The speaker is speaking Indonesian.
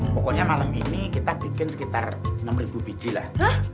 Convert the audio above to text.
pokoknya malam ini kita bikin sekitar enam biji lah